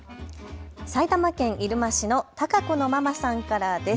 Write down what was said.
埼玉県入間市のタカコのままさんからです。